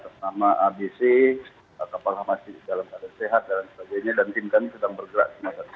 pertama abc kapal masih dalam keadaan sehat dan sebagainya dan tim kami sedang bergerak